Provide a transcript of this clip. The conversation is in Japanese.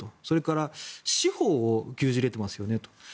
それから司法を牛耳れていますよねと。